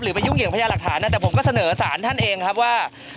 ไปยุ่งเหยิงพยาหลักฐานนะแต่ผมก็เสนอสารท่านเองครับว่า